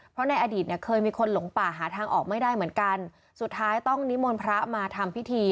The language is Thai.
เพราะในอดีตเนี่ยเคยมีคนหลงป่าหาทางออกไม่ได้เหมือนกันสุดท้ายต้องนิมนต์พระมาทำพิธี